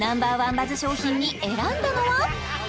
バズ商品に選んだのは？